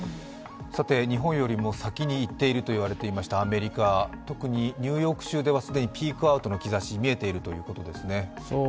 日本よりも先にいっていると言われたアメリカ、特にニューヨーク州では既にピークアウトの兆しが見えているということですね。